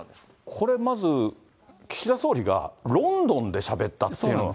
これ、まず、岸田総理がロンドンでしゃべったっていうのが。